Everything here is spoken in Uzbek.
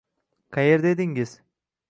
qayerda edingiz?